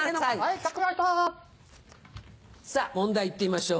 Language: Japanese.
さぁ問題行ってみましょう。